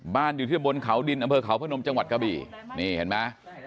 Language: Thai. อยู่ที่บนเขาดินอำเภอเขาพนมจังหวัดกะบี่นี่เห็นไหม